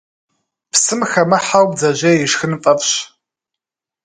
Псым хэмыхьэу бдзэжьей ишхын фӀэфӀщ.